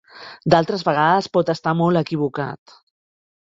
D'altres vegades pot estar molt equivocat.